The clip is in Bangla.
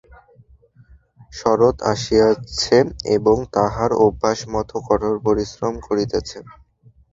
শরৎ আসিয়াছে এবং তাহার অভ্যাসমত কঠোর পরিশ্রম করিতেছে।